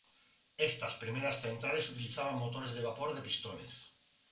Estas primeras centrales utilizaban motores de vapor de pistones.